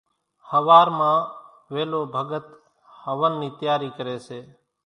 ۿوار مان ويلو ڀڳت هونَ نِي تياري ڪريَ سي۔